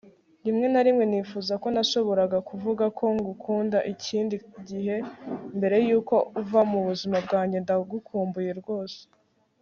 rimwe na rimwe nifuza ko nashoboraga kuvuga ko ngukunda ikindi gihe mbere yuko uva mu buzima bwanjye ndagukumbuye rwose